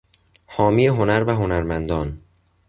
حامی هنر و هنرمندان